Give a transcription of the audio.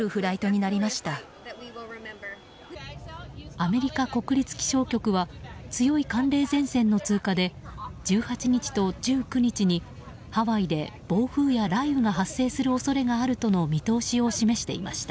アメリカ国立気象局は強い寒冷前線の通過で１８日と１９日にハワイで暴風や雷雨が発生する恐れがあるとの見通しを示していました。